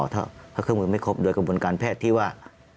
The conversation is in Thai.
ถ้าเครื่องมือไม่ครบโดยกระบวนการแพทย์ที่ว่า